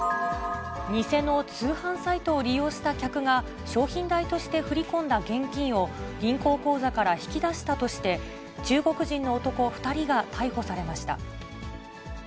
偽の通販サイトを利用した客が商品代として振り込んだ現金を、銀行口座から引き出したとして、中国人の男２人が逮捕されました。